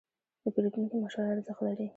د پیرودونکي مشوره ارزښت لري.